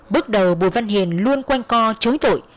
bước đầu bùi văn hiền luôn quanh co chối tội